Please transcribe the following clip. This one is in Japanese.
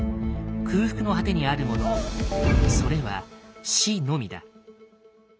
空腹の果てにあるものそれは死のみだ。